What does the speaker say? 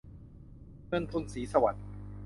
เงินทุน ศรีสวัสดิ์